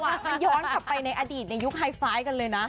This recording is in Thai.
มันย้อนกลับไปในอดีตในยุคไฮไฟล์กันเลยนะ